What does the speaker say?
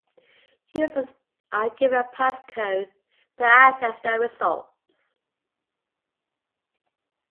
Users are given a passcode to access their results.